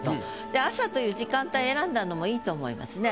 朝という時間帯選んだのもいいと思いますね。